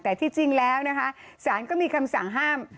แต่ที่จริงแล้วนะคะสารก็มีคำสั่งห้าม